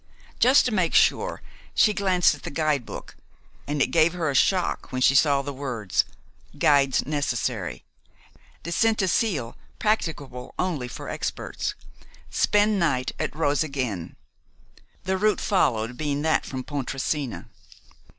Just to make sure, she glanced at the guidebook, and it gave her a shock when she saw the words, "Guides necessary," "Descent to Sils practicable only for experts," "Spend night at Roseg Inn," the route followed being that from Pontresina.